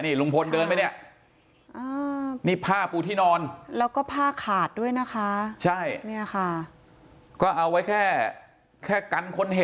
ลุงพลเดินไปเนี่ยนี่ผ้าปูที่นอนแล้วก็ผ้าขาดด้วยนะคะ